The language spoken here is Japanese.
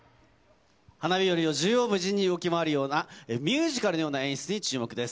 ＨＡＮＡ・ＢＩＹＯＲＩを縦横無尽に動き回るようなミュージカルのような演出に注目です。